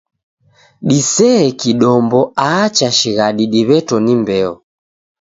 Disee kidombo aa cha shighadi diw'eto ni mbeo